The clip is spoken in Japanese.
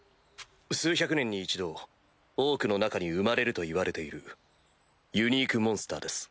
数百年に１度オークの中に生まれるといわれているユニークモンスターです。